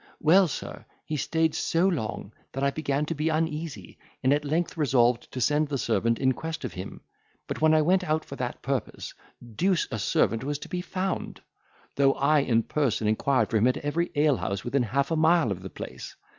Well, sir, he stayed so long, that I began to be uneasy, and at length resolved to send the servant in quest of him, but when I went out for that purpose, deuce a servant was to be found; though I in person inquired for him at every alehouse within half a mile of the place.